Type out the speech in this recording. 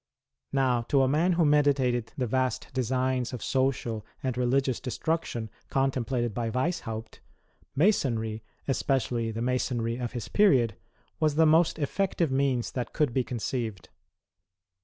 Now, to a man who meditated the vast designs of social and religious destruction contemplated by Weishaupt, Masonry, especially the Masonry of his period, was the most effective means that could be conceived.